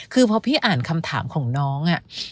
คือพอพี่อ่านคำถามของน้อง